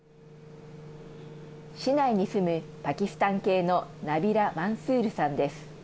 市内に住むパキスタン系のナビラ・マンスールさんです。